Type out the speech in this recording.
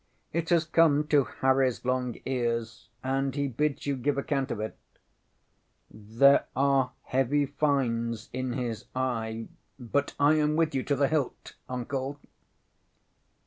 It has come to HarryŌĆÖs long ears, and he bids you give account of it. There are heavy fines in his eye, but I am with you to the hilt, Uncle!